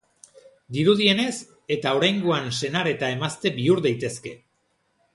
Dirudienez,, eta oraingoan senar eta emazte bihur daitezke.